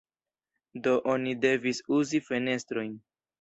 Do oni devis uzi fenestrojn.